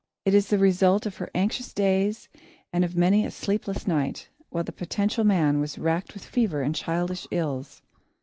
It is the result of her anxious days and of many a sleepless night, while the potential man was racked with fever and childish ills.